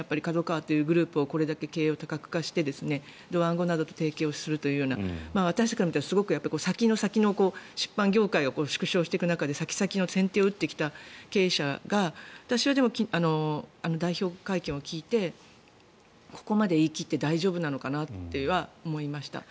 ＫＡＤＯＫＡＷＡというグループをこれだけ経営を多角化してドワンゴなどと提携するという私たちから見たら先の先の出版業界が縮小していく中で先、先の先手を打ってきた経営者が昨日、私は代表会見を聞いてここまで言い切って大丈夫なのかなっていうのは思いました。